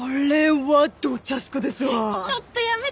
ちょっとやめてよ。